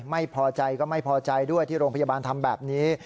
ไม่พอใจก็ไม่พอใจด้วยที่โรงพยาบาลทำแบบนี้